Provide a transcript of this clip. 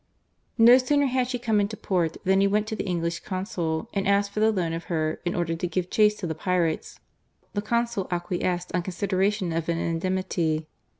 No sooner had she come into port than he went to the English Consul and asked for the loan of her in. order to give chase to the pirates. The Consul acquiesced on con sideration of an indemnity.